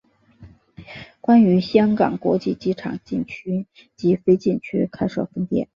并于香港国际机场禁区及非禁区开设分店。